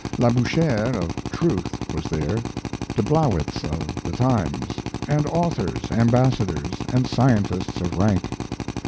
Labouchere of 'Truth' was there, De Blowitz of the 'Times', and authors, ambassadors, and scientists of rank.